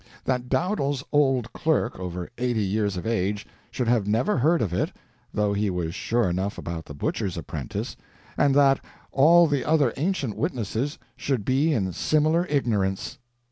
That Dowdall's old clerk, over eighty years of age, should have never heard of it (though he was sure enough about the butcher's apprentice) and that all the other ancient witnesses should be in similar ignorance!